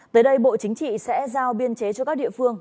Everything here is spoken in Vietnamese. tới đây bộ chính trị sẽ giao biên chế cho các địa phương